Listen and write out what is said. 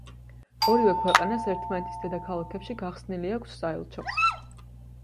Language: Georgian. ორივე ქვეყანას ერთმანეთის დედაქალაქებში გახსნილი აქვს საელჩო.